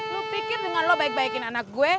lu pikir dengan lo baik baikin anak gue